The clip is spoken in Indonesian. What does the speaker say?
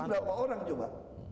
ya terus berapa orang coba